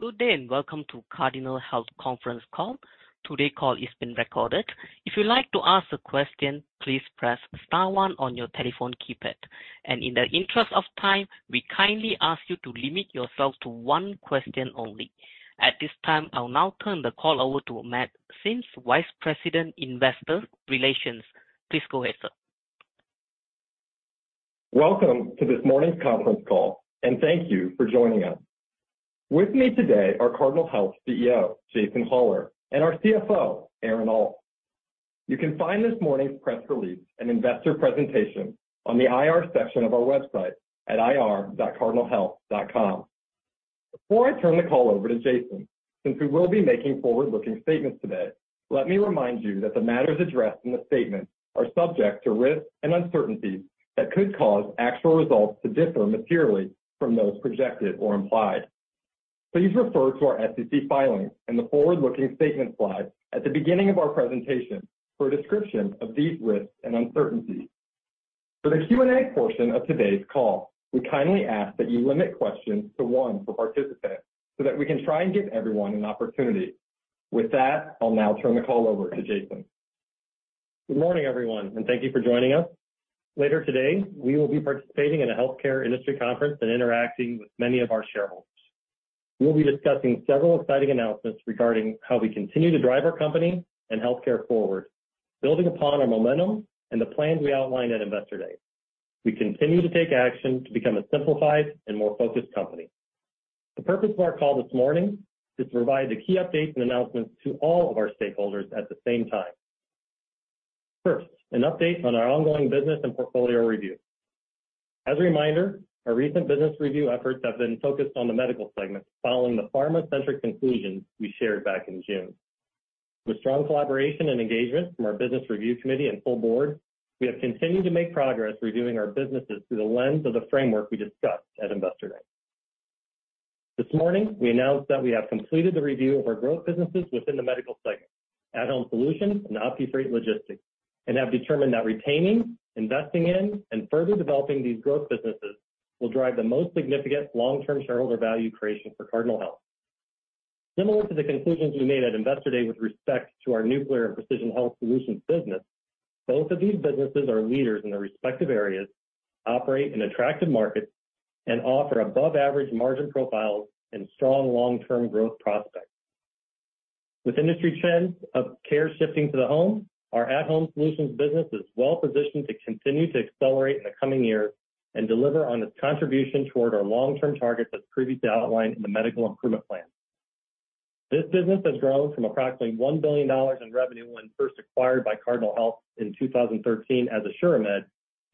Good day, and welcome to Cardinal Health conference call. Today's call is being recorded. If you'd like to ask a question, please press star one on your telephone keypad. In the interest of time, we kindly ask you to limit yourself to one question only. At this time, I'll now turn the call over to Matt Sims, Vice President, Investor Relations. Please go ahead, sir. Welcome to this morning's conference call, and thank you for joining us. With me today are Cardinal Health CEO, Jason Hollar, and our CFO, Aaron Alt. You can find this morning's press release and investor presentation on the IR section of our website at ir.cardinalhealth.com. Before I turn the call over to Jason, since we will be making forward-looking statements today, let me remind you that the matters addressed in the statement are subject to risks and uncertainties that could cause actual results to differ materially from those projected or implied. Please refer to our SEC filings and the forward-looking statement slide at the beginning of our presentation for a description of these risks and uncertainties. For the Q&A portion of today's call, we kindly ask that you limit questions to one per participant so that we can try and give everyone an opportunity. With that, I'll now turn the call over to Jason. Good morning, everyone, and thank you for joining us. Later today, we will be participating in a healthcare industry conference and interacting with many of our shareholders. We'll be discussing several exciting announcements regarding how we continue to drive our company and healthcare forward, building upon our momentum and the plans we outlined at Investor Day. We continue to take action to become a simplified and more focused company. The purpose of our call this morning is to provide the key updates and announcements to all of our stakeholders at the same time. First, an update on our ongoing business and portfolio review. As a reminder, our recent business review efforts have been focused on the Medical segment following the pharma-centric conclusions we shared back in June. With strong collaboration and engagement from our business review committee and full board, we have continued to make progress reviewing our businesses through the lens of the framework we discussed at Investor Day. This morning, we announced that we have completed the review of our growth businesses within the Medical segment, at-Home Solutions and OptiFreight Logistics, and have determined that retaining, investing in, and further developing these growth businesses will drive the most significant long-term shareholder value creation for Cardinal Health. Similar to the conclusions we made at Investor Day with respect to our Nuclear & Precision Health Solutions business, both of these businesses are leaders in their respective areas, operate in attractive markets, and offer above-average margin profiles and strong long-term growth prospects. With industry trends of care shifting to the home, our At-Home Solutions business is well positioned to continue to accelerate in the coming years and deliver on its contribution toward our long-term targets as previously outlined in the Medical Improvement Plan. This business has grown from approximately $1 billion in revenue when first acquired by Cardinal Health in 2013 as AssuraMed,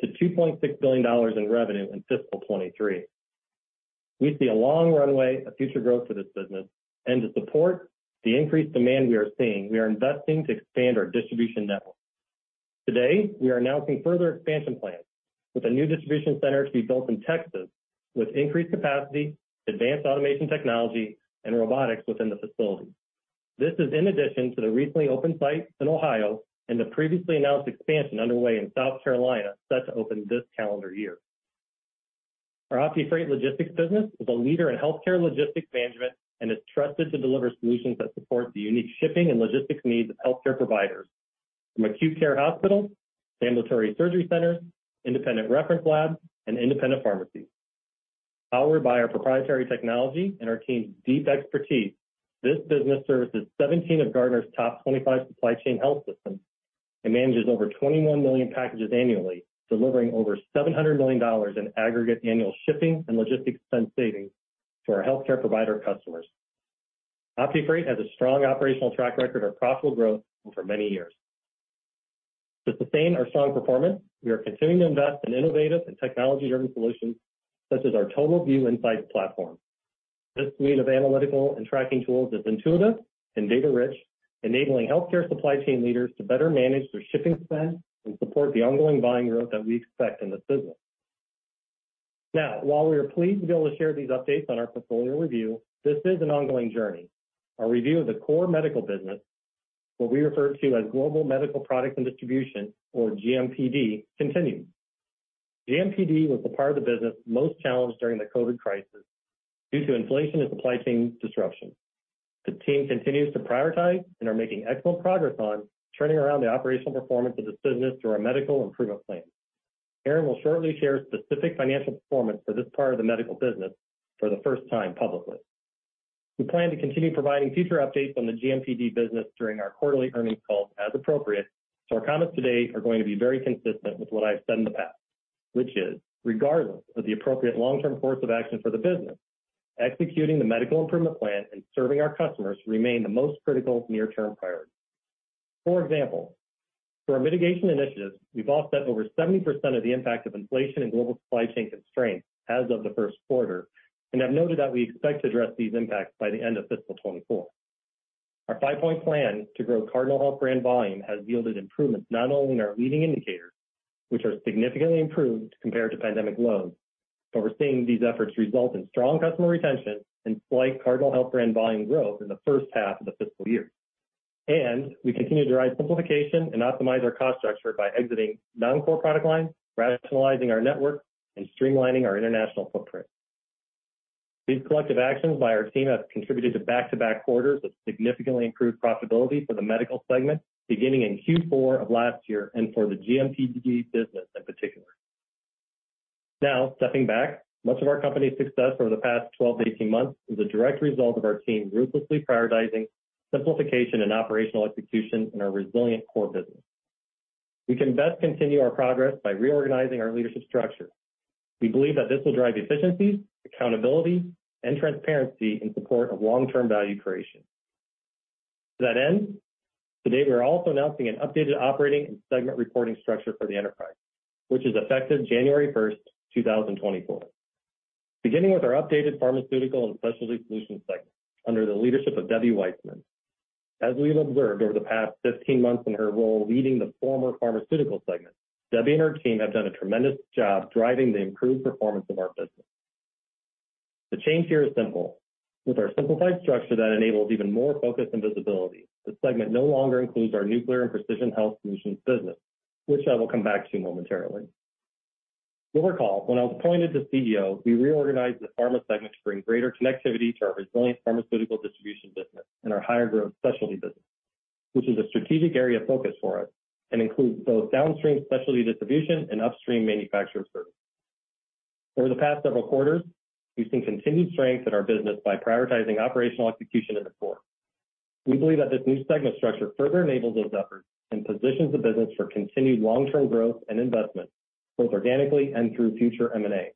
to $2.6 billion in revenue in fiscal 2023. We see a long runway of future growth for this business, and to support the increased demand we are seeing, we are investing to expand our distribution network. Today, we are announcing further expansion plans with a new distribution center to be built in Texas, with increased capacity, advanced automation technology, and robotics within the facility. This is in addition to the recently opened site in Ohio and the previously announced expansion underway in South Carolina, set to open this calendar year. Our OptiFreight Logistics business is a leader in healthcare logistics management and is trusted to deliver solutions that support the unique shipping and logistics needs of healthcare providers, from acute care hospitals, ambulatory surgery centers, independent reference labs, and independent pharmacies. Powered by our proprietary technology and our team's deep expertise, this business services 17 of Gartner's top 25 supply chain health systems and manages over 21 million packages annually, delivering over $700 million in aggregate annual shipping and logistics expense savings to our healthcare provider customers. OptiFreight has a strong operational track record of profitable growth over many years. To sustain our strong performance, we are continuing to invest in innovative and technology-driven solutions such as our TotalVue Insights platform. This suite of analytical and tracking tools is intuitive and data-rich, enabling healthcare supply chain leaders to better manage their shipping spend and support the ongoing volume growth that we expect in this business. Now, while we are pleased to be able to share these updates on our portfolio review, this is an ongoing journey. Our review of the core Medical business, what we refer to as Global Medical Products and Distribution, or GMPD, continues. GMPD was the part of the business most challenged during the COVID crisis due to inflation and supply chain disruption. The team continues to prioritize and are making excellent progress on turning around the operational performance of this business through our Medical Improvement Plan. Aaron will shortly share specific financial performance for this part of the Medical business for the first time publicly. We plan to continue providing future updates on the GMPD business during our quarterly earnings calls as appropriate, so our comments today are going to be very consistent with what I've said in the past, which is, regardless of the appropriate long-term course of action for the business, executing the Medical Improvement Plan and serving our customers remain the most critical near-term priority. For example, for our mitigation initiatives, we've offset over 70% of the impact of inflation and global supply chain constraints as of the first quarter and have noted that we expect to address these impacts by the end of fiscal 2024. Our five-point plan to grow Cardinal Health brand volume has yielded improvements not only in our leading indicators, which are significantly improved compared to pandemic lows, but we're seeing these efforts result in strong customer retention and slight Cardinal Health brand volume growth in the first half of the fiscal year. We continue to drive simplification and optimize our cost structure by exiting non-core product lines, rationalizing our network, and streamlining our international footprint. These collective actions by our team have contributed to back-to-back quarters of significantly improved profitability for the Medical segment, beginning in Q4 of last year, and for the GMPD business in particular. Now, stepping back, much of our company's success over the past 12-18 months is a direct result of our team ruthlessly prioritizing simplification and operational execution in our resilient core business. We can best continue our progress by reorganizing our leadership structure. We believe that this will drive efficiency, accountability, and transparency in support of long-term value creation. To that end, today, we are also announcing an updated operating and segment reporting structure for the enterprise, which is effective January 1st, 2024. Beginning with our updated Pharmaceutical and Specialty Solutions segment, under the leadership of Debbie Weitzman. As we've observed over the past 15 months in her role leading the former Pharmaceutical segment, Debbie and her team have done a tremendous job driving the improved performance of our business. The change here is simple. With our simplified structure that enables even more focus and visibility, the segment no longer includes our Nuclear & Precision Health Solutions business, which I will come back to momentarily. You'll recall, when I was appointed to CEO, we reorganized the Pharma segment to bring greater connectivity to our resilient Pharmaceutical Distribution business and our higher growth specialty business, which is a strategic area of focus for us and includes both downstream Specialty Distribution and upstream Manufacturer Services. Over the past several quarters, we've seen continued strength in our business by prioritizing operational execution in the core. We believe that this new segment structure further enables those efforts and positions the business for continued long-term growth and investment, both organically and through future M&A.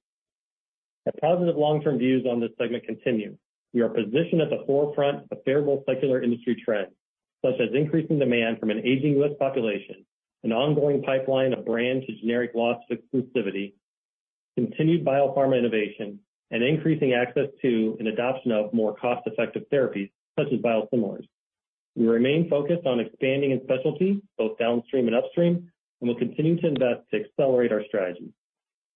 Our positive long-term views on this segment continue. We are positioned at the forefront of favorable secular industry trends, such as increasing demand from an aging U.S. population, an ongoing pipeline of brand to generic loss of exclusivity, continued biopharma innovation, and increasing access to and adoption of more cost-effective therapies such as biosimilars. We remain focused on expanding in specialty, both downstream and upstream, and we'll continue to invest to accelerate our strategy.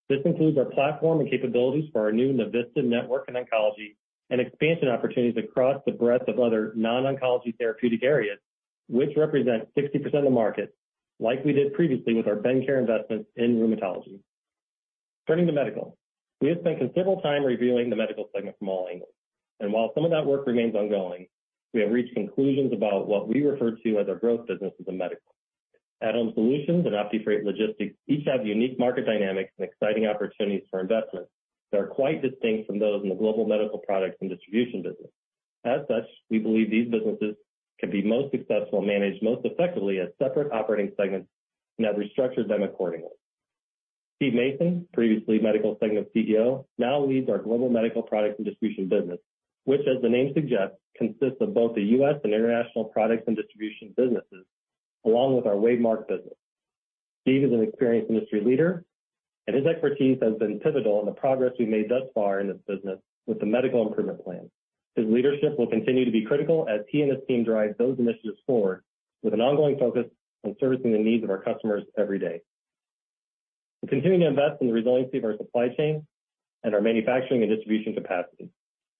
This includes our platform and capabilities for our new Navista Network in oncology and expansion opportunities across the breadth of other non-oncology therapeutic areas, which represent 60% of the market, like we did previously with our Bendcare investment in rheumatology. Turning to Medical, we have spent considerable time reviewing the Medical segment from all angles, and while some of that work remains ongoing, we have reached conclusions about what we refer to as our growth business within Medical. At-Home Solutions and OptiFreight Logistics each have unique market dynamics and exciting opportunities for investment that are quite distinct from those in the Global Medical Products and Distribution business. As such, we believe these businesses can be most successful and managed most effectively as separate operating segments and have restructured them accordingly. Steve Mason, previously Medical Segment CEO, now leads our global medical products and distribution business, which, as the name suggests, consists of both the U.S. and international products and distribution businesses, along with our WaveMark business. Steve is an experienced industry leader, and his expertise has been pivotal in the progress we've made thus far in this business with the Medical Improvement Plan. His leadership will continue to be critical as he and his team drive those initiatives forward with an ongoing focus on servicing the needs of our customers every day. We're continuing to invest in the resiliency of our supply chain and our manufacturing and distribution capacity.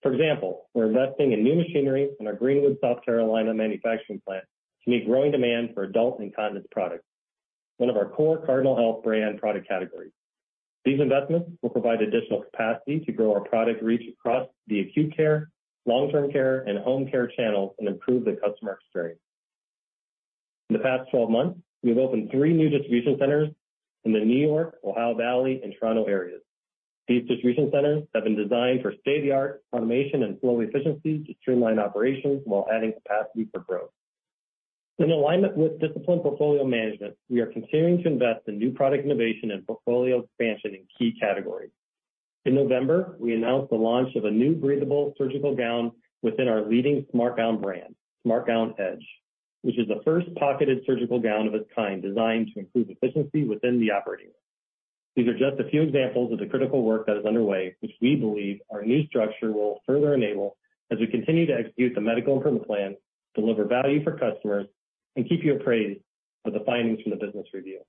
For example, we're investing in new machinery in our Greenwood, South Carolina, manufacturing plant to meet growing demand for adult incontinence products, one of our core Cardinal Health brand product categories. These investments will provide additional capacity to grow our product reach across the acute care, long-term care, and home care channels and improve the customer experience. In the past 12 months, we have opened three new distribution centers in the New York, Ohio Valley, and Toronto areas. These distribution centers have been designed for state-of-the-art automation and flow efficiency to streamline operations while adding capacity for growth. In alignment with disciplined portfolio management, we are continuing to invest in new product innovation and portfolio expansion in key categories. In November, we announced the launch of a new breathable surgical gown within our leading SmartGown brand, SmartGown Edge, which is the first pocketed surgical gown of its kind, designed to improve efficiency within the operating room. These are just a few examples of the critical work that is underway, which we believe our new structure will further enable as we continue to execute the Medical Improvement Plan, deliver value for customers, and keep you appraised of the findings from the business review.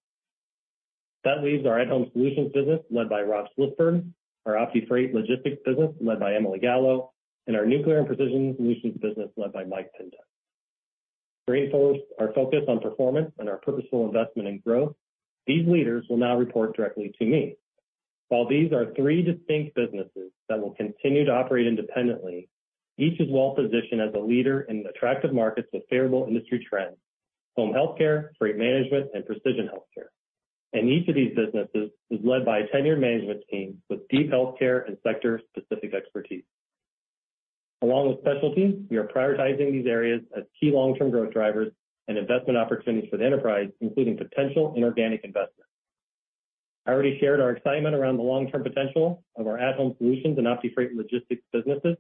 That leaves our at-Home Solutions business led by Rob Schlissberg, our OptiFreight Logistics business led by Emily Gallo, and our Nuclear & Precision Health Solutions business led by Mike Pintek. To reinforce our focus on performance and our purposeful investment in growth, these leaders will now report directly to me. While these are three distinct businesses that will continue to operate independently, each is well-positioned as a leader in attractive markets with favorable industry trends: home healthcare, freight management, and precision healthcare. Each of these businesses is led by a tenured management team with deep healthcare and sector-specific expertise. Along with specialties, we are prioritizing these areas as key long-term growth drivers and investment opportunities for the enterprise, including potential inorganic investment. I already shared our excitement around the long-term potential of our at-Home Solutions and OptiFreight Logistics businesses.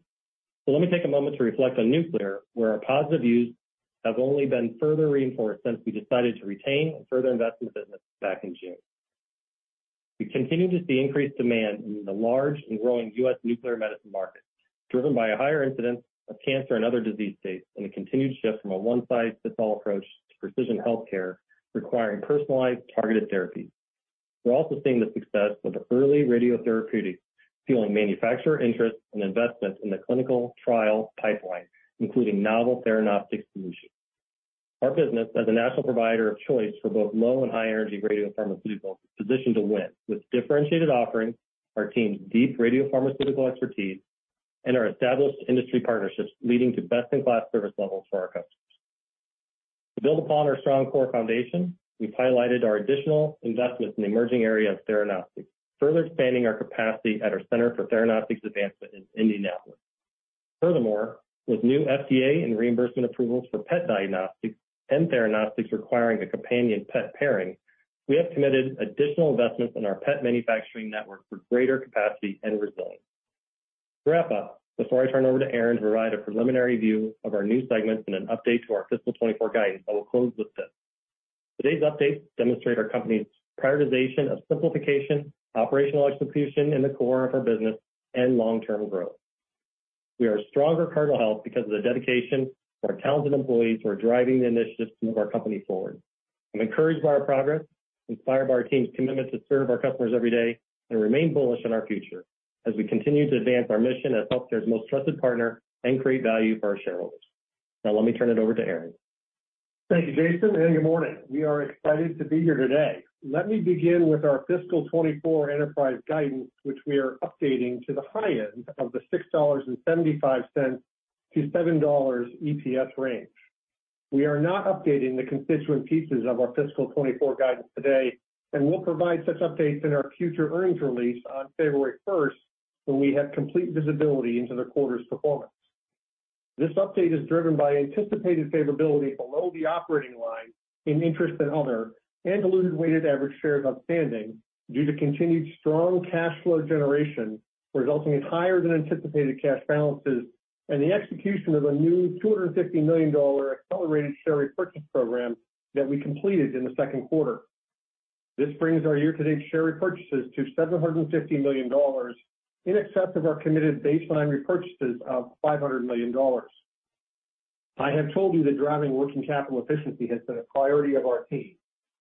Let me take a moment to reflect on Nuclear, where our positive views have only been further reinforced since we decided to retain and further invest in the business back in June. We continue to see increased demand in the large and growing U.S. nuclear medicine market, driven by a higher incidence of cancer and other disease states, and a continued shift from a one-size-fits-all approach to precision healthcare, requiring personalized, targeted therapies... We're also seeing the success of early radiotherapeutics, fueling manufacturer interest and investment in the clinical trial pipeline, including novel theranostics solutions. Our business, as a national provider of choice for both low and high energy radiopharmaceuticals, is positioned to win with differentiated offerings, our team's deep radiopharmaceutical expertise, and our established industry partnerships, leading to best-in-class service levels for our customers. To build upon our strong core foundation, we've highlighted our additional investments in the emerging area of theranostics, further expanding our capacity at our Center for Theranostics Advancement in Indianapolis. Furthermore, with new FDA and reimbursement approvals for PET diagnostics and theranostics requiring a companion PET pairing, we have committed additional investments in our PET manufacturing network for greater capacity and resilience. To wrap up, before I turn it over to Aaron to provide a preliminary view of our new segments and an update to our fiscal 2024 guidance, I will close with this. Today's updates demonstrate our company's prioritization of simplification, operational execution in the core of our business, and long-term growth. We are a stronger Cardinal Health because of the dedication of our talented employees who are driving the initiatives to move our company forward. I'm encouraged by our progress, inspired by our team's commitment to serve our customers every day, and remain bullish on our future as we continue to advance our mission as healthcare's most trusted partner and create value for our shareholders. Now, let me turn it over to Aaron. Thank you, Jason, and good morning. We are excited to be here today. Let me begin with our fiscal 2024 enterprise guidance, which we are updating to the high end of the $6.75-$7 EPS range. We are not updating the constituent pieces of our fiscal 2024 guidance today, and we'll provide such updates in our future earnings release on February 1st, when we have complete visibility into the quarter's performance. This update is driven by anticipated favorability below the operating line in interest and other, and diluted weighted average shares outstanding, due to continued strong cash flow generation, resulting in higher than anticipated cash balances and the execution of a new $250 million accelerated share repurchase program that we completed in the second quarter. This brings our year-to-date share repurchases to $750 million, in excess of our committed baseline repurchases of $500 million. I have told you that driving working capital efficiency has been a priority of our team,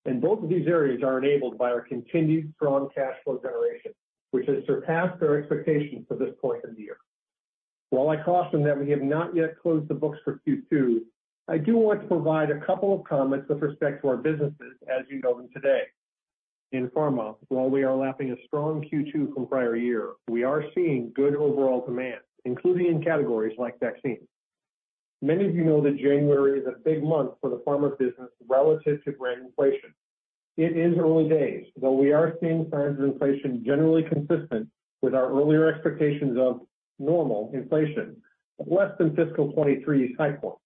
and both of these areas are enabled by our continued strong cash flow generation, which has surpassed our expectations to this point in the year. While I caution that we have not yet closed the books for Q2, I do want to provide a couple of comments with respect to our businesses as you know them today. In Pharma, while we are lapping a strong Q2 from prior year, we are seeing good overall demand, including in categories like vaccines. Many of you know that January is a big month for the Pharma business relative to brand inflation. It is early days, though we are seeing signs of inflation generally consistent with our earlier expectations of normal inflation, but less than fiscal 2023's high point.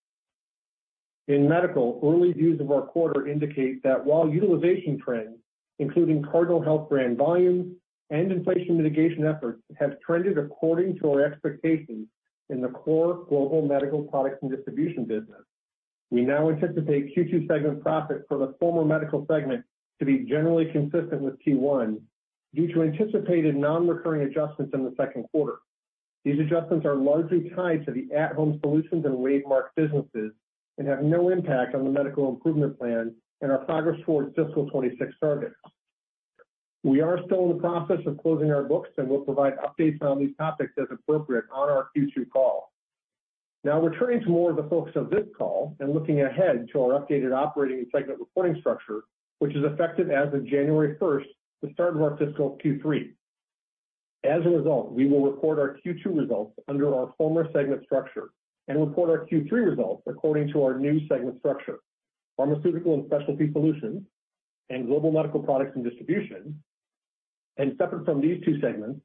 In Medical, early views of our quarter indicate that while utilization trends, including Cardinal Health brand volumes and inflation mitigation efforts, have trended according to our expectations in the core Global Medical Products and Distribution business, we now anticipate Q2 segment profit for the former Medical segment to be generally consistent with Q1, due to anticipated non-recurring adjustments in the second quarter. These adjustments are largely tied to the at-Home Solutions and WaveMark businesses and have no impact on the Medical Improvement Plan and our progress towards fiscal 2026 targets. We are still in the process of closing our books and will provide updates on these topics as appropriate on our Q2 call. Now, returning to more of the focus of this call and looking ahead to our updated operating and segment reporting structure, which is effective as of January 1st, the start of our fiscal Q3. As a result, we will report our Q2 results under our former segment structure and report our Q3 results according to our new segment structure, Pharmaceutical and Specialty Solutions and Global Medical Products and Distribution. Separate from these two segments,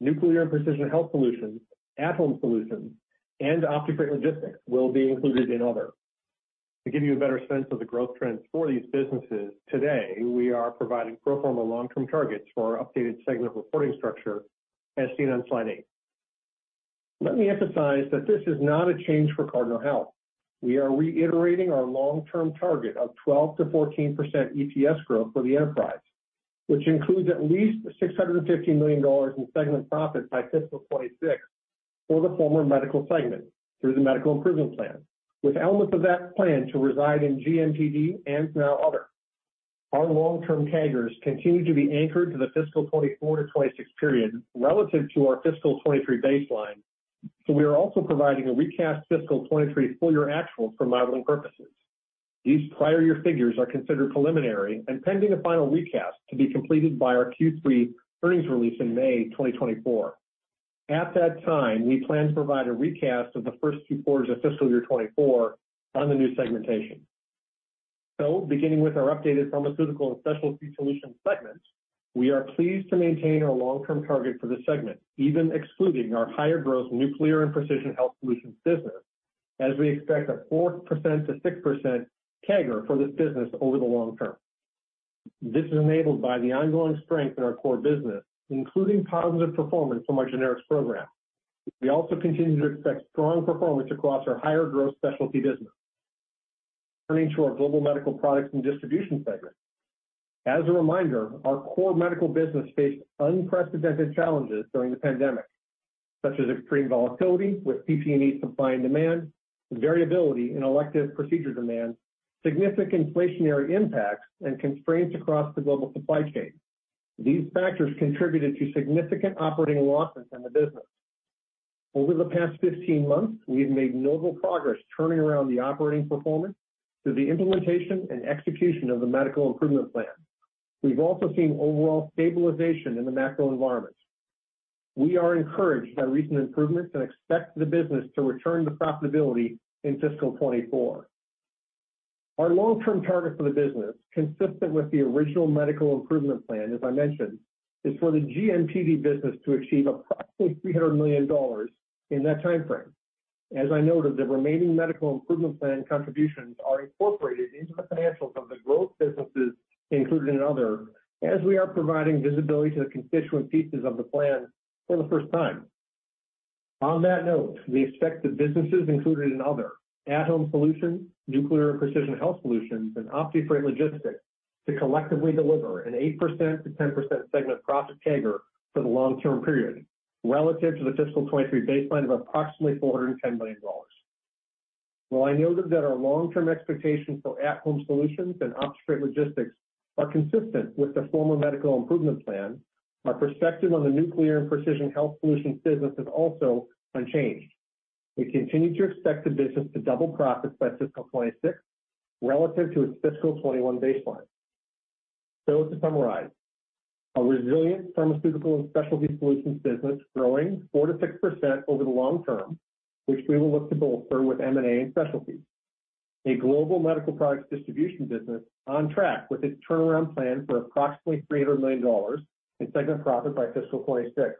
Nuclear & Precision Health Solutions, At-Home Solutions, and OptiFreight Logistics will be included in Other. To give you a better sense of the growth trends for these businesses, today, we are providing pro forma long-term targets for our updated segment reporting structure as seen on slide eight. Let me emphasize that this is not a change for Cardinal Health. We are reiterating our long-term target of 12%-14% EPS growth for the enterprise, which includes at least $650 million in segment profits by fiscal 2026 for the former medical segment through the Medical Improvement Plan, with elements of that plan to reside in GMPD and now Other. Our long-term CAGRs continue to be anchored to the fiscal 2024-2026 period relative to our fiscal 2023 baseline, so we are also providing a recast fiscal 2023 full-year actual for modeling purposes. These prior year figures are considered preliminary and pending a final recast to be completed by our Q3 earnings release in May 2024. At that time, we plan to provide a recast of the first two quarters of fiscal year 2024 on the new segmentation. So beginning with our updated Pharmaceutical and Specialty Solutions segment, we are pleased to maintain our long-term target for this segment, even excluding our higher growth Nuclear & Precision Health Solutions business, as we expect a 4%-6% CAGR for this business over the long term. This is enabled by the ongoing strength in our core business, including positive performance from our generics program. We also continue to expect strong performance across our higher growth specialty business. Turning to our Global Medical Products and Distribution segment. As a reminder, our core Medical business faced unprecedented challenges during the pandemic, such as extreme volatility with PPE supply and demand, variability in elective procedure demand, significant inflationary impacts, and constraints across the global supply chain. These factors contributed to significant operating losses in the business. Over the past 15 months, we've made notable progress turning around the operating performance through the implementation and execution of the Medical Improvement Plan. We've also seen overall stabilization in the macro environment. We are encouraged by recent improvements and expect the business to return to profitability in fiscal 2024. Our long-term target for the business, consistent with the original Medical Improvement Plan, as I mentioned, is for the GMPD business to achieve approximately $300 million in that time frame. As I noted, the remaining Medical Improvement Plan contributions are incorporated into the financials of the growth businesses included in other, as we are providing visibility to the constituent pieces of the plan for the first time. On that note, we expect the businesses included in other, at-Home Solutions, Nuclear & Precision Health Solutions, and OptiFreight Logistics, to collectively deliver an 8%-10% segment profit CAGR for the long-term period, relative to the fiscal 2023 baseline of approximately $410 million. While I noted that our long-term expectations for at-Home Solutions and OptiFreight Logistics are consistent with the former Medical Improvement Plan, our perspective on the Nuclear & Precision Health Solutions business is also unchanged. We continue to expect the business to double profits by fiscal 2026 relative to its fiscal 2021 baseline. So to summarize, a resilient Pharmaceutical and Specialty Solutions business growing 4%-6% over the long term, which we will look to bolster with M&A and specialties. A Global Medical Products Distribution business on track with its turnaround plan for approximately $300 million in segment profit by fiscal 2026.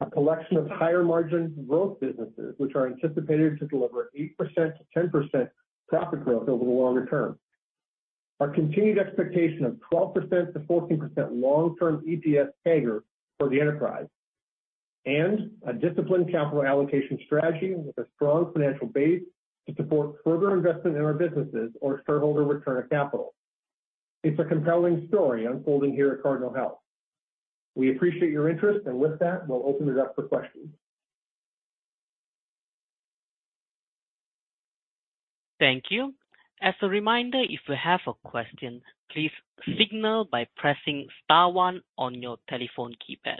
A collection of higher margin growth businesses, which are anticipated to deliver 8%-10% profit growth over the longer term. Our continued expectation of 12%-14% long-term EPS CAGR for the enterprise, and a disciplined capital allocation strategy with a strong financial base to support further investment in our businesses or shareholder return of capital. It's a compelling story unfolding here at Cardinal Health. We appreciate your interest, and with that, we'll open it up for questions. Thank you. As a reminder, if you have a question, please signal by pressing star one on your telephone keypad.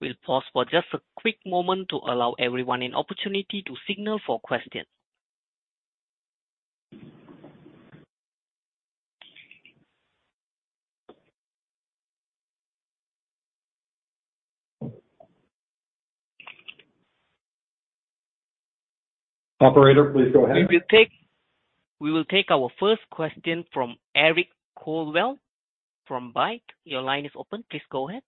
We'll pause for just a quick moment to allow everyone an opportunity to signal for questions. Operator, please go ahead. We will take our first question from Eric Coldwell from Baird. Your line is open. Please go ahead.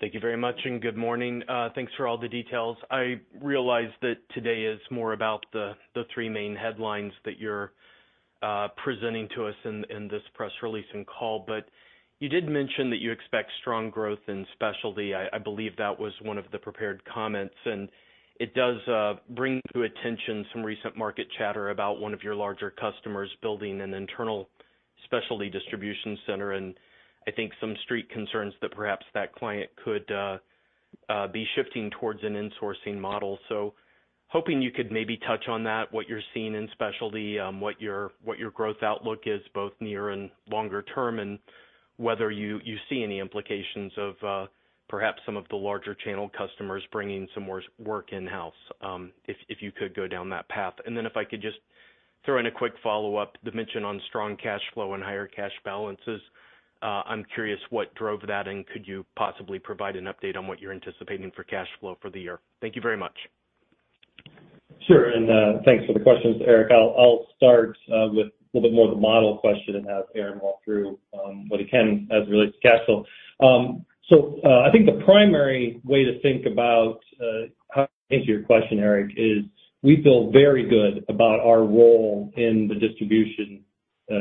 Thank you very much, and good morning. Thanks for all the details. I realize that today is more about the three main headlines that you're presenting to us in this press release and call. But you did mention that you expect strong growth in specialty. I believe that was one of the prepared comments, and it does bring to attention some recent market chatter about one of your larger customers building an internal specialty distribution center. And I think some street concerns that perhaps that client could be shifting towards an insourcing model. So hoping you could maybe touch on that, what you're seeing in specialty, what your, what your growth outlook is, both near and longer term, and whether you, you see any implications of, perhaps some of the larger channel customers bringing some more work in-house, if, if you could go down that path. And then if I could just throw in a quick follow-up, the mention on strong cash flow and higher cash balances. I'm curious what drove that, and could you possibly provide an update on what you're anticipating for cash flow for the year? Thank you very much. Sure, and thanks for the questions, Eric. I'll start with a little bit more of the model question and have Aaron walk through what he can as it relates to cash flow. So, I think the primary way to think about how to answer your question, Eric, is we feel very good about our role in the distribution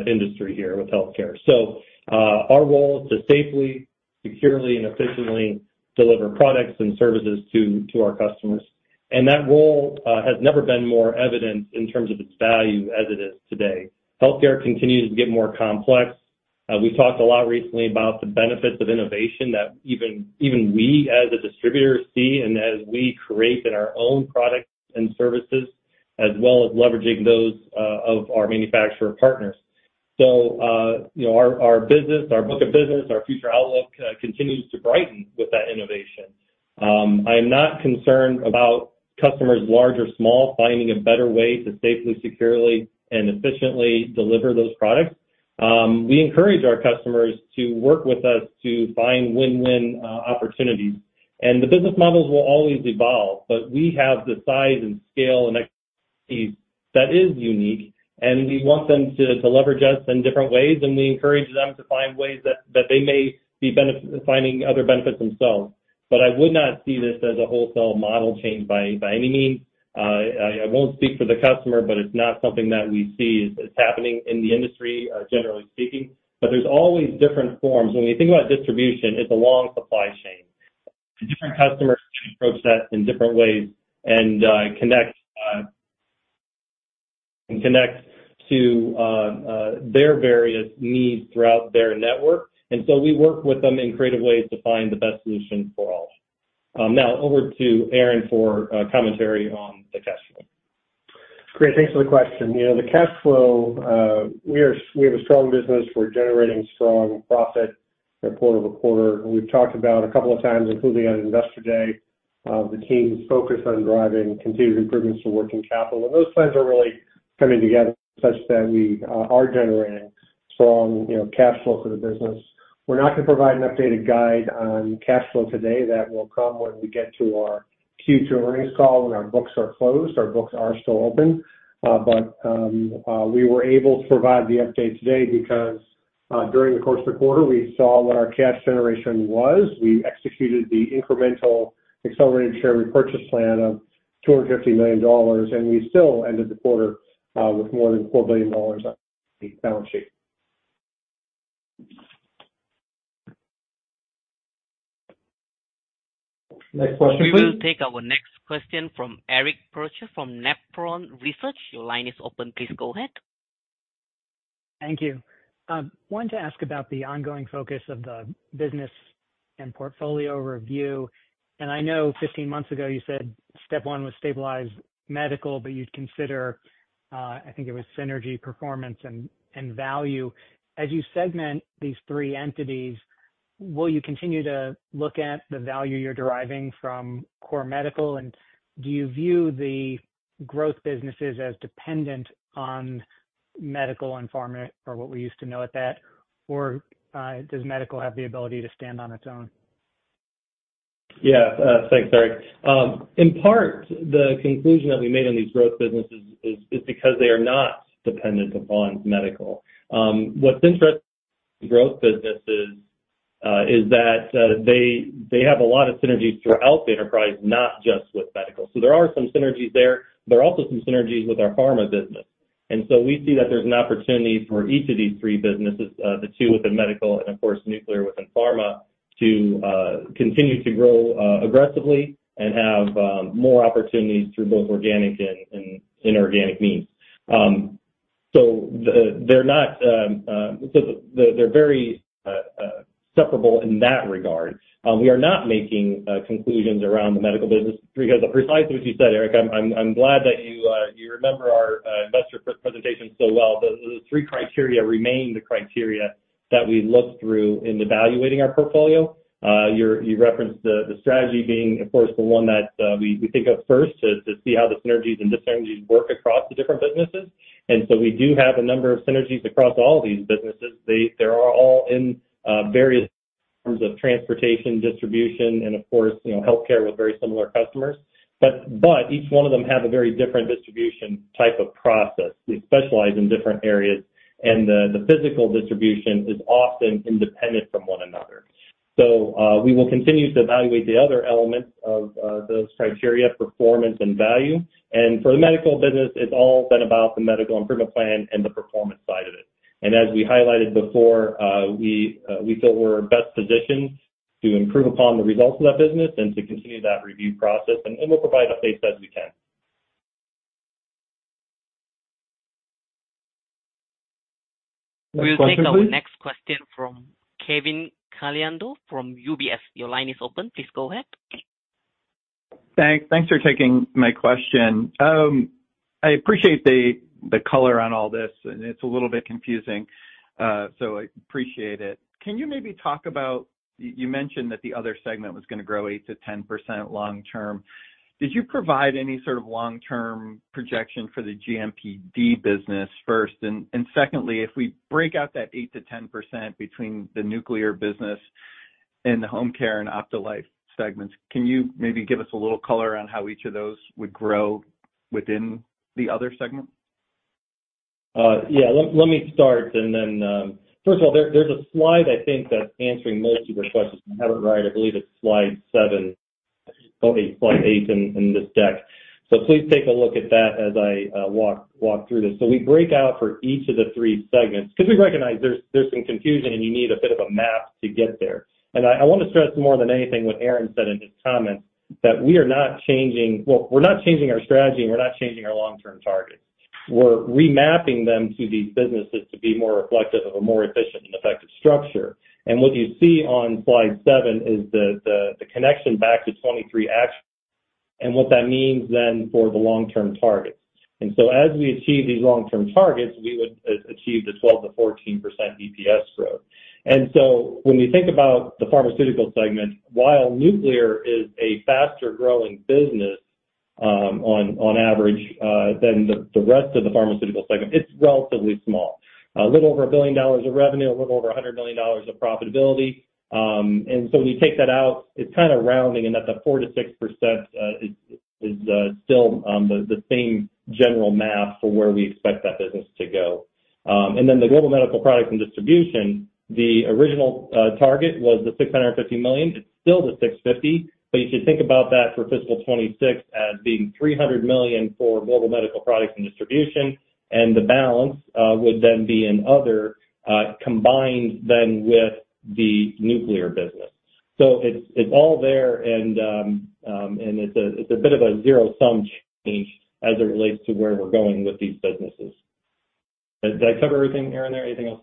industry here with healthcare. So, our role is to safely, securely, and efficiently deliver products and services to our customers, and that role has never been more evident in terms of its value as it is today. Healthcare continues to get more complex. We talked a lot recently about the benefits of innovation that even we, as a distributor, see, and as we create in our own products and services, as well as leveraging those of our manufacturer partners. So, you know, our business, our book of business, our future outlook continues to brighten with that innovation. I'm not concerned about customers, large or small, finding a better way to safely, securely, and efficiently deliver those products. We encourage our customers to work with us to find win-win opportunities. The business models will always evolve, but we have the size and scale and expertise that is unique, and we want them to leverage us in different ways, and we encourage them to find ways that they may benefit finding other benefits themselves. But I would not see this as a wholesale model change by any means. I won't speak for the customer, but it's not something that we see as happening in the industry, generally speaking. But there's always different forms. When you think about distribution, it's a long supply chain. Different customers approach that in different ways and connect to their various needs throughout their network. And so we work with them in creative ways to find the best solution for all. Now over to Aaron for commentary on the cash flow. Great, thanks for the question. You know, the cash flow, we have a strong business. We're generating strong profit quarter over quarter. We've talked about a couple of times, including on Investor Day, the team's focus on driving continued improvements to working capital. And those plans are really coming together such that we are generating strong, you know, cash flow for the business. We're not going to provide an updated guide on cash flow today. That will come when we get to our Q2 earnings call, when our books are closed. Our books are still open. But we were able to provide the update today because, during the course of the quarter, we saw what our cash generation was. We executed the incremental Accelerated Share Repurchase plan of $250 million, and we still ended the quarter with more than $4 billion on the balance sheet. Next question, please. We will take our next question from Eric Percher, from Nephron Research. Your line is open. Please go ahead. Thank you. Wanted to ask about the ongoing focus of the business and portfolio review. I know 15 months ago, you said step one was stabilize Medical, but you'd consider, I think it was synergy, performance, and value. As you segment these three entities, will you continue to look at the value you're deriving from core Medical? And do you view the growth businesses as dependent on Medical and Pharma, or what we used to know it that? Does Medical have the ability to stand on its own? Yeah, thanks, Eric. In part, the conclusion that we made on these growth businesses is because they are not dependent upon medical. What's interesting growth businesses is that they have a lot of synergies throughout the enterprise, not just with medical. So there are some synergies there, but there are also some synergies with our Pharma business. And so we see that there's an opportunity for each of these three businesses, the two within Medical and, of course, Nuclear within Pharma, to continue to grow aggressively and have more opportunities through both organic and inorganic means. So they're very separable in that regard. We are not making conclusions around the Medical business because of precisely what you said, Eric. I'm glad that you you remember our investor presentation so well. The three criteria remain the criteria that we look through in evaluating our portfolio. You referenced the strategy being, of course, the one that we think of first, to see how the synergies and dyssynergies work across the different businesses. And so we do have a number of synergies across all of these businesses. They are all in various forms of transportation, distribution, and of course, you know, healthcare with very similar customers. But each one of them have a very different distribution type of process. We specialize in different areas, and the physical distribution is often independent from one another. So we will continue to evaluate the other elements of those criteria, performance, and value. For the Medical business, it's all been about the Medical Improvement Plan and the performance side of it. As we highlighted before, we feel we're best positioned to improve upon the results of that business and to continue that review process, and we'll provide updates as we can. We'll take our next question from Kevin Caliendo from UBS. Your line is open. Please go ahead. Thanks. Thanks for taking my question. I appreciate the color on all this, and it's a little bit confusing, so I appreciate it. Can you maybe talk about... You mentioned that the other segment was gonna grow 8%-10% long term. Did you provide any sort of long-term projection for the GMPD business first? And secondly, if we break out that 8%-10% between the Nuclear business and the home care and OptiFreight segments, can you maybe give us a little color on how each of those would grow within the other segment? Yeah, let me start, and then first of all, there's a slide I think that's answering most of your questions. If I have it right, I believe it's slide 8 in this deck. So please take a look at that as I walk through this. We break out for each of the three segments because we recognize there's some confusion, and you need a bit of a map to get there. I want to stress more than anything what Aaron said in his comments, that we are not changing. Well, we're not changing our strategy, and we're not changing our long-term targets. We're remapping them to these businesses to be more reflective of a more efficient and effective structure. What you see on slide seven is the connection back to 2023 actions, and what that means then for the long-term targets. So as we achieve these long-term targets, we would achieve the 12%-14% EPS growth. So when we think about the Pharmaceutical segment, while Nuclear is a faster-growing business, on average, than the rest of the Pharmaceutical segment, it's relatively small. A little over $1 billion of revenue, a little over $100 million of profitability. And so when you take that out, it's kind of rounding, and that the 4%-6% is still the same general map for where we expect that business to go. And then the Global Medical Products and Distribution, the original target was the $650 million. It's still the $650 million, but you should think about that for fiscal 2026 as being $300 million for Global Medical Products and Distribution, and the balance would then be in other, combined then with the Nuclear business. So it's all there, and it's a bit of a zero-sum change as it relates to where we're going with these businesses. Did I cover everything, Aaron? Anything else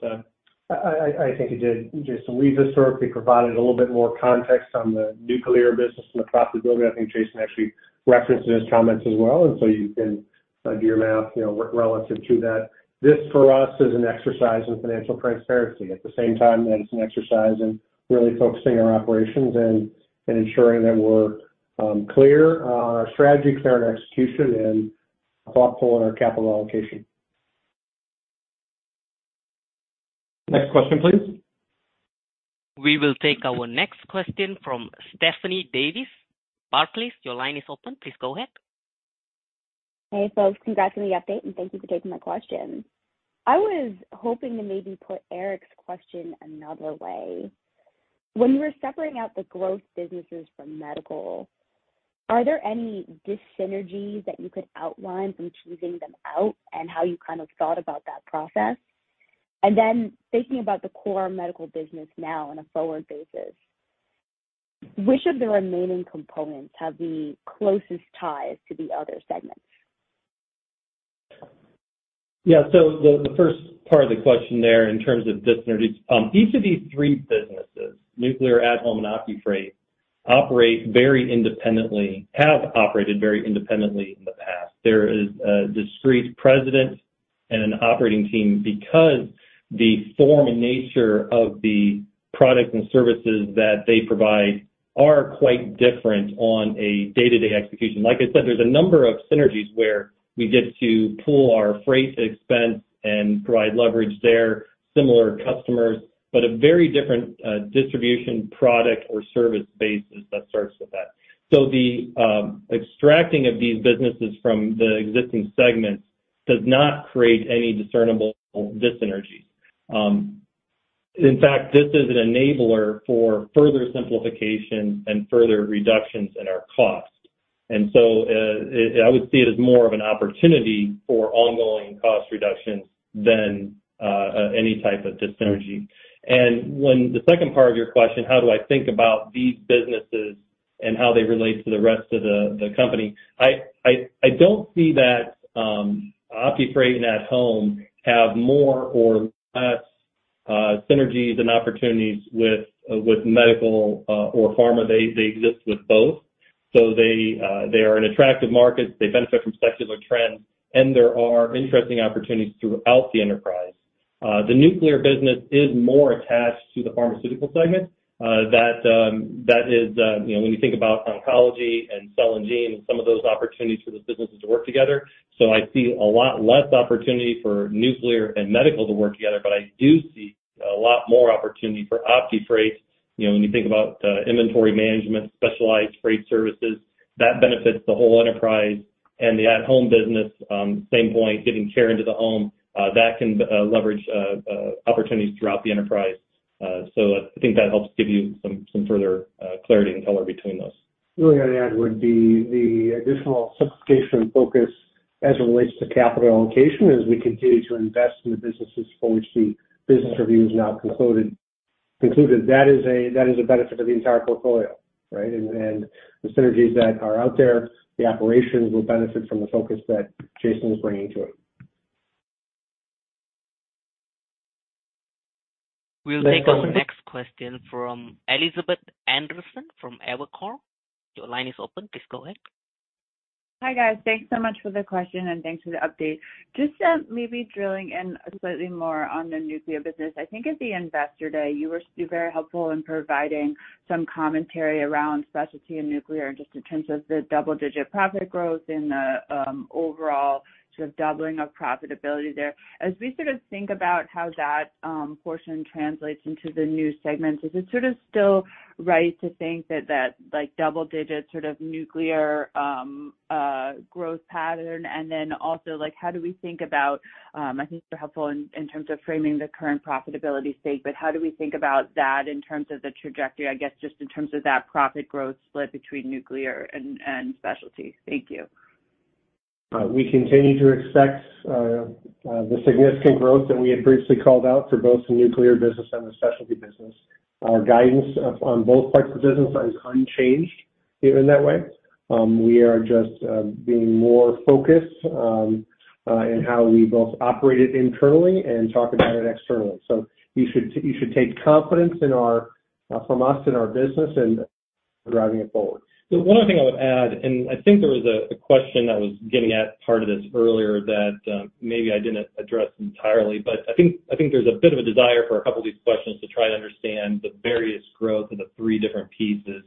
to add? I think you did, Jason. We just sort of provided a little bit more context on the Nuclear business and the profitability. I think Jason actually referenced in his comments as well, and so you can do your math, you know, relative to that. This, for us, is an exercise in financial transparency. At the same time, it's an exercise in really focusing our operations and ensuring that we're clear on our strategy, clear on execution, and thoughtful in our capital allocation. Next question, please. We will take our next question from Stephanie Davis, Barclays. Your line is open. Please go ahead. Hey, folks. Congrats on the update, and thank you for taking my question. I was hoping to maybe put Eric's question another way. When you were separating out the growth businesses from Medical, are there any dyssynergies that you could outline from choosing them out and how you kind of thought about that process? And then thinking about the core Medical business now on a forward basis, which of the remaining components have the closest ties to the other segments? Yeah. So the first part of the question there, in terms of dyssynergies, each of these three businesses, Nuclear, at-Home, and OptiFreight, operate very independently, have operated very independently in the past. There is a discrete president and an operating team because the form and nature of the products and services that they provide are quite different on a day-to-day execution. Like I said, there's a number of synergies where we get to pool our freight expense and provide leverage there, similar customers, but a very different distribution product or service basis that starts with that. So the extracting of these businesses from the existing segments does not create any discernible dyssynergies. In fact, this is an enabler for further simplification and further reductions in our cost. And so, I would see it as more of an opportunity for ongoing cost reductions than any type of dyssynergy. And to the second part of your question, how do I think about these businesses and how they relate to the rest of the company? I don't see that OptiFreight and at-Home have more or less synergies and opportunities with Medical or Pharma. They exist with both. So they are an attractive market. They benefit from secular trends, and there are interesting opportunities throughout the enterprise. The Nuclear business is more attached to the Pharmaceutical segment. That is, you know, when you think about oncology and cell and gene and some of those opportunities for those businesses to work together. So I see a lot less opportunity for Nuclear and Medical to work together, but I do see a lot more opportunity for OptiFreight. You know, when you think about inventory management, specialized freight services, that benefits the whole enterprise and the at-Home business. Same point, getting care into the home, that can opportunities throughout the enterprise. So I think that helps give you some further clarity and color between those. The only other add would be the additional simplification and focus as it relates to capital allocation, as we continue to invest in the businesses for which the business review is now concluded. That is a, that is a benefit of the entire portfolio, right? And the synergies that are out there, the operations will benefit from the focus that Jason is bringing to it. We'll take our next question from Elizabeth Anderson from Evercore. Your line is open. Please go ahead. Hi, guys. Thanks so much for the question, and thanks for the update. Just maybe drilling in slightly more on the Nuclear business. I think at the Investor Day, you were very helpful in providing some commentary around Specialty and Nuclear, just in terms of the double-digit profit growth and the overall sort of doubling of profitability there. As we sort of think about how that portion translates into the new segments, is it sort of still right to think that that, like, double digit sort of Nuclear growth pattern? And then also, like, how do we think about, I think they're helpful in terms of framing the current profitability state, but how do we think about that in terms of the trajectory, I guess, just in terms of that profit growth split between Nuclear and Specialty? Thank you. We continue to expect the significant growth that we had briefly called out for both the Nuclear business and the Specialty business. Our guidance of, on both parts of the business is unchanged in that way. We are just being more focused in how we both operate it internally and talk about it externally. So you should take confidence from us in our business and driving it forward. The one other thing I would add, and I think there was a question that was getting at part of this earlier that maybe I didn't address entirely, but I think there's a bit of a desire for a couple of these questions to try and understand the various growth of the three different pieces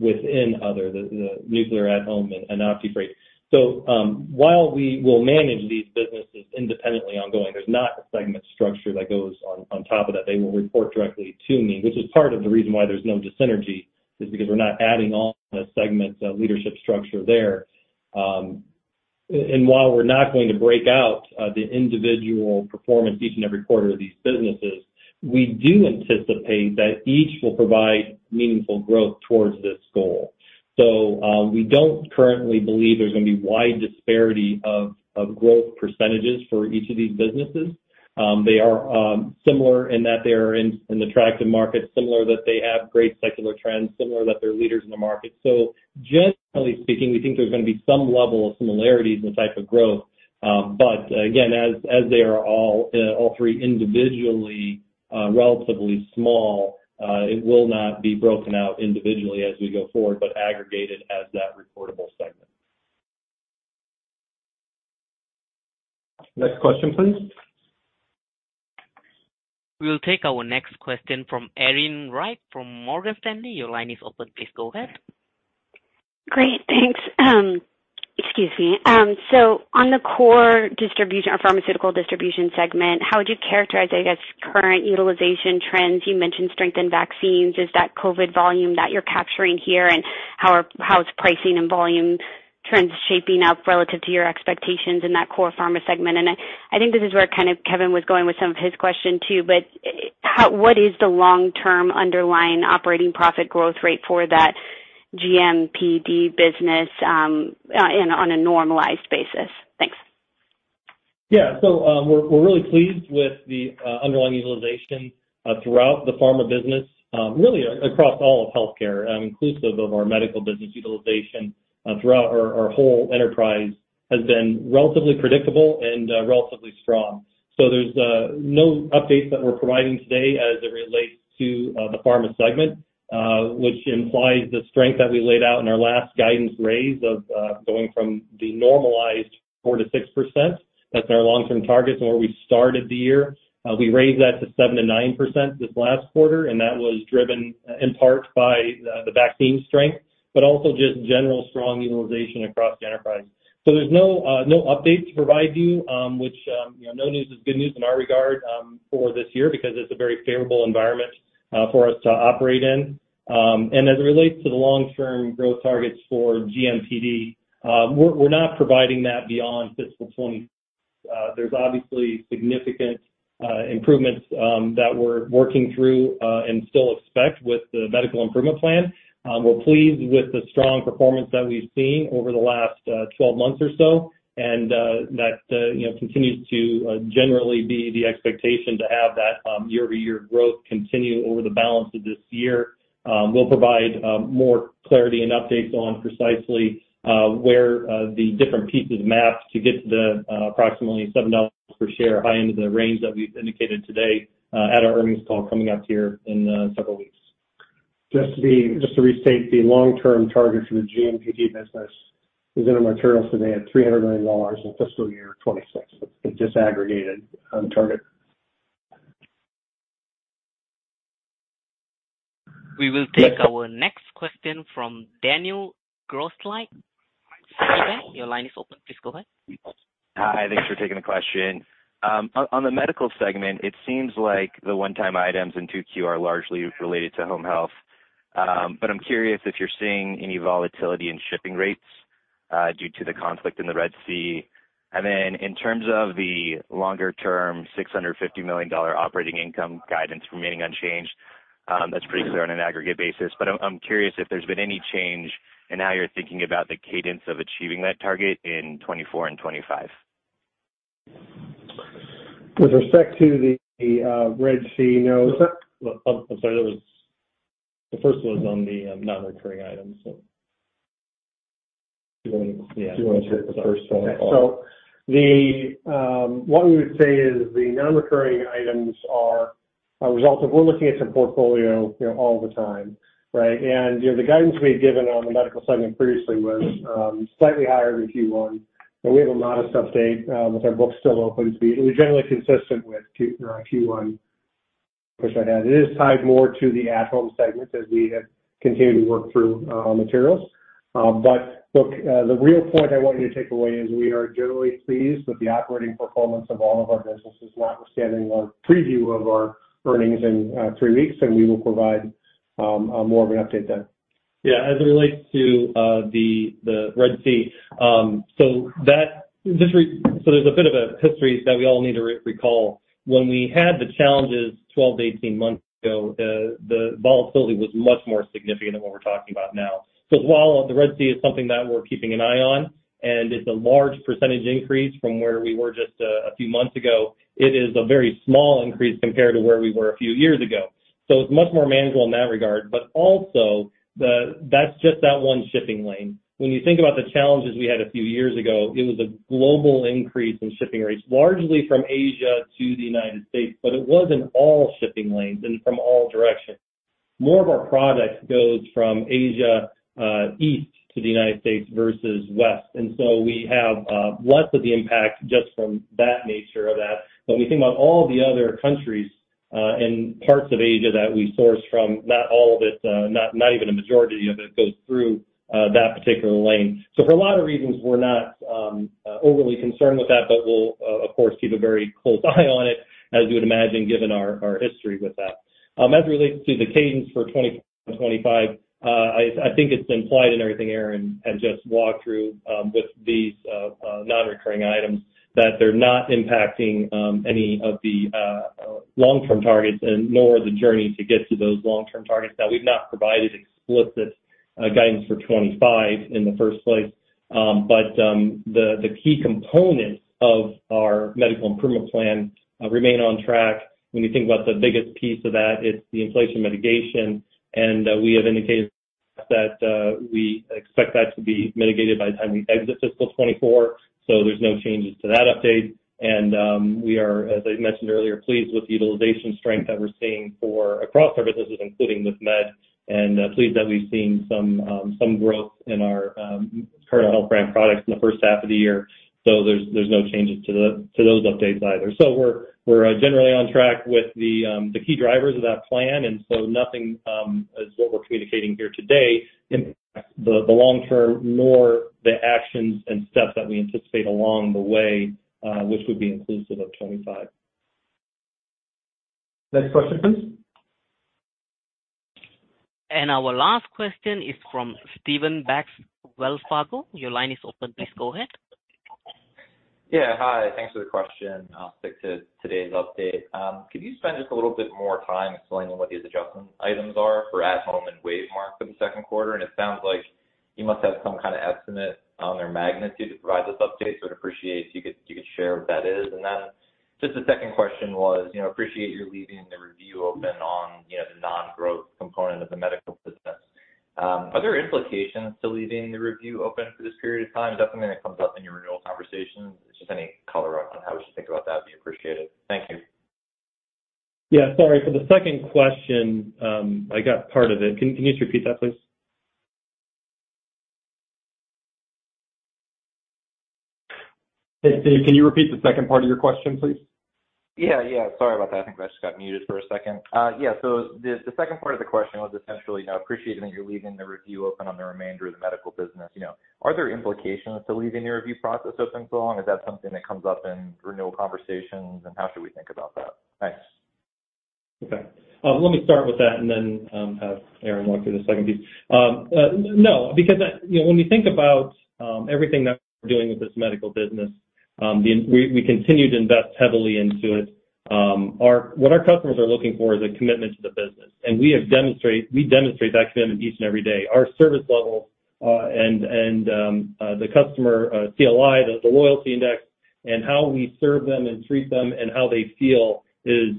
within other, the Nuclear, at-Home, and OptiFreight. So, while we will manage these businesses independently ongoing, there's not a segment structure that goes on top of that. They will report directly to me, which is part of the reason why there's no dis-synergy, is because we're not adding on a segment leadership structure there. And while we're not going to break out the individual performance each and every quarter of these businesses, we do anticipate that each will provide meaningful growth towards this goal. So, we don't currently believe there's going to be wide disparity of growth percentages for each of these businesses. They are similar in that they are in attractive markets, similar that they have great secular trends, similar that they're leaders in the market. So generally speaking, we think there's going to be some level of similarities in the type of growth. But again, as they are all three individually relatively small, it will not be broken out individually as we go forward, but aggregated as that reportable segment. Next question, please. We will take our next question from Erin Wright from Morgan Stanley. Your line is open. Please go ahead. Great, thanks. Excuse me. So on the core distribution or Pharmaceutical distribution segment, how would you characterize, I guess, current utilization trends? You mentioned strength in vaccines. Is that COVID volume that you're capturing here? And how is pricing and volume trends shaping up relative to your expectations in that core Pharma segment? And I think this is where kind of Kevin was going with some of his question, too. But how what is the long-term underlying operating profit growth rate for that GMPD business, and on a normalized basis? Thanks. Yeah. So, we're really pleased with the underlying utilization throughout the Pharma business, really across all of healthcare, inclusive of our Medical business utilization throughout our whole enterprise, has been relatively predictable and relatively strong. So there's no updates that we're providing today as it relates to the Pharma segment, which implies the strength that we laid out in our last guidance raise of going from the normalized 4%-6%. That's our long-term target and where we started the year. We raised that to 7%-9% this last quarter, and that was driven in part by the vaccine strength, but also just general strong utilization across the enterprise. So there's no updates to provide you, which you know, no news is good news in our regard for this year because it's a very favorable environment for us to operate in. And as it relates to the long-term growth targets for GMPD, we're not providing that beyond fiscal 2020. There's obviously significant improvements that we're working through and still expect with the Medical Improvement Plan. We're pleased with the strong performance that we've seen over the last 12 months or so. And that you know continues to generally be the expectation to have that year-over-year growth continue over the balance of this year. We'll provide more clarity and updates on precisely where the different pieces map to get to the approximately $7 per share, high end of the range that we've indicated today at our earnings call coming up here in several weeks. Just to restate, the long-term target for the GMPD business is in our materials today at $300 million in fiscal year 2026. It's just aggregated on target. We will take our next question from Daniel Grosslight. Your line is open. Please go ahead. Hi, thanks for taking the question. On the Medical segment, it seems like the one-time items in 2Q are largely related to home health. But I'm curious if you're seeing any volatility in shipping rates due to the conflict in the Red Sea. And then in terms of the longer-term $650 million operating income guidance remaining unchanged, that's pretty clear on an aggregate basis. But I'm curious if there's been any change in how you're thinking about the cadence of achieving that target in 2024 and 2025. With respect to the Red Sea, no- I'm sorry, that was... The first one was on the, non-recurring items. So do you want to answer the first one? So what we would say is the nonrecurring items are a result of we're looking at the portfolio, you know, all the time, right? And, you know, the guidance we had given on the Medical segment previously was slightly higher than Q1, and we have a modest update, with our books still open, to be generally consistent with Q1, which I had. It is tied more to the at-Home segment as we have continued to work through on materials. But look, the real point I want you to take away is we are generally pleased with the operating performance of all of our businesses, notwithstanding our preview of our earnings in three weeks, and we will provide more of an update then. Yeah, as it relates to the Red Sea, so that just so there's a bit of a history that we all need to recall. When we had the challenges 12-18 months ago, the volatility was much more significant than what we're talking about now. So while the Red Sea is something that we're keeping an eye on, and it's a large percentage increase from where we were just a few months ago, it is a very small increase compared to where we were a few years ago. So it's much more manageable in that regard, but also, that's just that one shipping lane. When you think about the challenges we had a few years ago, it was a global increase in shipping rates, largely from Asia to the United States, but it wasn't all shipping lanes and from all directions. More of our product goes from Asia, east to the United States versus west. And so we have less of the impact just from that nature of that. When we think about all the other countries and parts of Asia that we source from, not all of it, not even a majority of it, goes through that particular lane. So for a lot of reasons, we're not overly concerned with that, but we'll of course keep a very close eye on it, as you would imagine, given our history with that. As it relates to the cadence for 2025, I think it's implied in everything Aaron has just walked through with these non-recurring items, that they're not impacting any of the... Long-term targets and nor the journey to get to those long-term targets. Now, we've not provided explicit guidance for 2025 in the first place. But the key components of our Medical Improvement Plan remain on track. When you think about the biggest piece of that, it's the inflation mitigation, and we have indicated that we expect that to be mitigated by the time we exit fiscal 2024, so there's no changes to that update. And we are, as I mentioned earlier, pleased with the utilization strength that we're seeing for across services, including with Med, and pleased that we've seen some growth in our Cardinal Health brand products in the first half of the year. So there's no changes to those updates either. So we're generally on track with the key drivers of that plan, and so nothing as what we're communicating here today impacts the long term, nor the actions and steps that we anticipate along the way, which would be inclusive of 2025. Next question, please. Our last question is from Stephen Baxter, Wells Fargo. Your line is open. Please go ahead. Yeah, hi. Thanks for the question. I'll stick to today's update. Could you spend just a little bit more time explaining what these adjustment items are for at-Home and WaveMark for the second quarter? And it sounds like you must have some kind of estimate on their magnitude to provide this update, so I'd appreciate if you could share what that is. And then just the second question was, you know, appreciate you're leaving the review open on, you know, the non-growth component of the Medical business. Are there implications to leaving the review open for this period of time? Definitely, when it comes up in your renewal conversations, just any color on how we should think about that would be appreciated. Thank you. Yeah, sorry. For the second question, I got part of it. Can you just repeat that, please? Hey, Steve, can you repeat the second part of your question, please? Yeah, yeah, sorry about that. I think I just got muted for a second. Yeah, so the second part of the question was essentially, I appreciate that you're leaving the review open on the remainder of the Medical business. You know, are there implications to leaving your review process open for so long? Is that something that comes up in renewal conversations, and how should we think about that? Thanks. Okay. Let me start with that and then have Aaron walk through the second piece. No, because you know, when we think about everything that we're doing with this Medical business, we continue to invest heavily into it. What our customers are looking for is a commitment to the business, and we demonstrate that commitment each and every day. Our service level and the customer CLI, the loyalty index, and how we serve them and treat them and how they feel is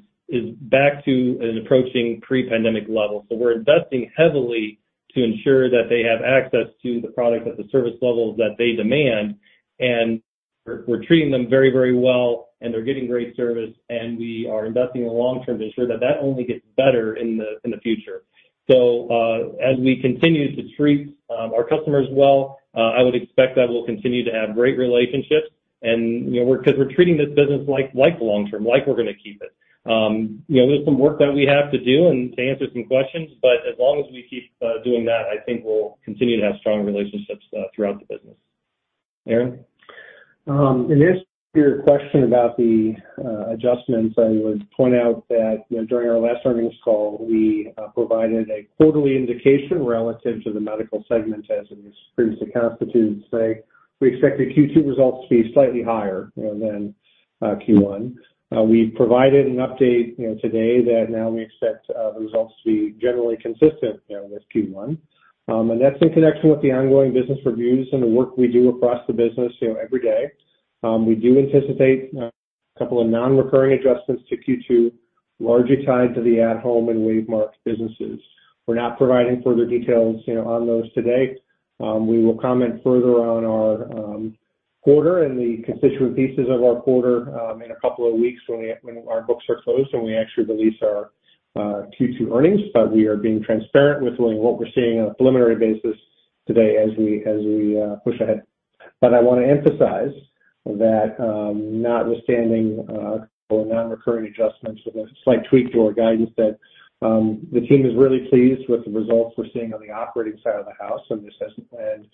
back to and approaching pre-pandemic levels. So we're investing heavily to ensure that they have access to the product at the service levels that they demand, and we're treating them very, very well, and they're getting great service, and we are investing in the long term to ensure that that only gets better in the future. So, as we continue to treat our customers well, I would expect that we'll continue to have great relationships. And, you know, we're, 'cause we're treating this business like long term, like we're going to keep it. You know, there's some work that we have to do and to answer some questions, but as long as we keep doing that, I think we'll continue to have strong relationships throughout the business. Aaron? In answer to your question about the adjustments, I would point out that, you know, during our last earnings call, we provided a quarterly indication relative to the Medical segment, as it was previously constituted and say, we expect the Q2 results to be slightly higher, you know, than Q1. We provided an update, you know, today that now we expect the results to be generally consistent, you know, with Q1. That's in connection with the ongoing business reviews and the work we do across the business, you know, every day. We do anticipate a couple of nonrecurring adjustments to Q2, largely tied to the at-Home and WaveMark businesses. We're not providing further details, you know, on those today. We will comment further on our quarter and the constituent pieces of our quarter in a couple of weeks when we, when our books are closed, and we actually release our Q2 earnings. But we are being transparent with what we're seeing on a preliminary basis today as we, as we push ahead. But I want to emphasize that, notwithstanding nonrecurring adjustments and a slight tweak to our guidance, that the team is really pleased with the results we're seeing on the operating side of the house and this hasn't—And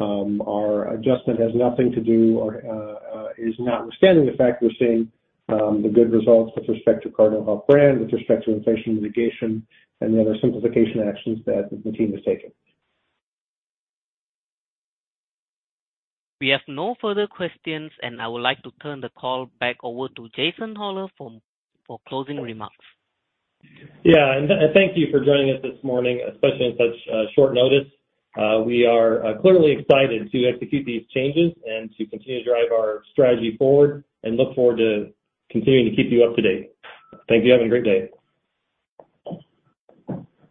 our adjustment has nothing to do or is notwithstanding the fact we're seeing the good results with respect to Cardinal Health brand, with respect to inflation mitigation and the other simplification actions that the team has taken. We have no further questions, and I would like to turn the call back over to Jason Hollar for closing remarks. Yeah, and thank you for joining us this morning, especially on such short notice. We are clearly excited to execute these changes and to continue to drive our strategy forward and look forward to continuing to keep you up to date. Thank you, have a great day.